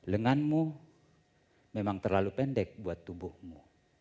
lenganmu memang terlalu pendek buat tubuhmu